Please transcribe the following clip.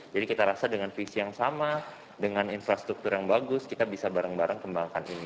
jadi kita rasa dengan visi yang sama dengan infrastruktur yang bagus kita bisa bareng bareng kembangkan ini